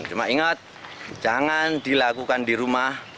cuma ingat jangan dilakukan di rumah